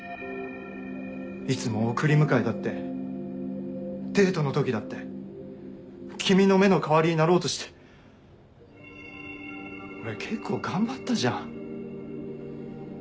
いつも送り迎えだってデートの時だって君の目の代わりになろうとして俺結構頑張ったじゃん。